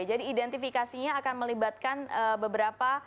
jadi identifikasinya akan melibatkan beberapa